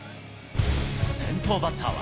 先頭バッターは。